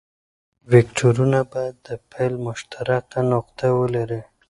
وکتورونه باید د پیل مشترکه نقطه ولري.